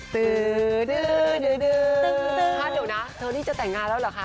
คราวนี้จะแต่งงานแล้วหรือคะ